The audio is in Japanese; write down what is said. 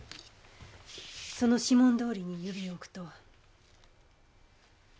その指紋どおりに指を置くと。